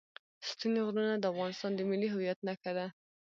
ستوني غرونه د افغانستان د ملي هویت نښه ده.